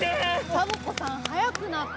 サボ子さんはやくなった。